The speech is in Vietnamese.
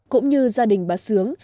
cũng như gia đình bà sướng